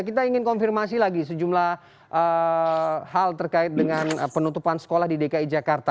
kita ingin konfirmasi lagi sejumlah hal terkait dengan penutupan sekolah di dki jakarta